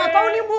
bu gak tau nih bu